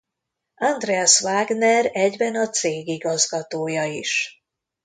Andreas Wagner egyben a cég igazgatója is.